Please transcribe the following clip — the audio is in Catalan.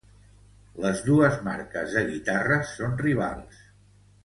Les dos marques de guitarres són rivals.